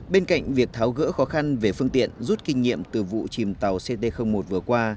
bên cạnh việc tháo gỡ khó khăn về phương tiện rút kinh nghiệm từ vụ chìm tàu ct một vừa qua